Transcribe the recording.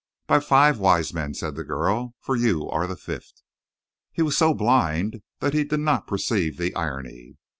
"By five wise men," said the girl. "For you are the fifth." He was so blind that he did not perceive the irony.